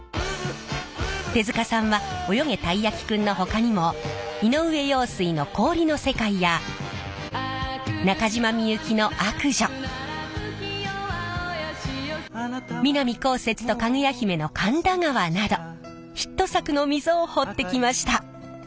手塚さんは「およげ！たいやきくん」のほかにも井上陽水の「氷の世界」や中島みゆきの「悪女」南こうせつとかぐや姫の「神田川」などヒット作の溝を彫ってきました。